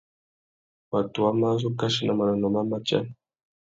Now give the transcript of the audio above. Watu wá má zu kachi nà manônôh má matia.